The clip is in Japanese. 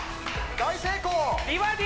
大成功！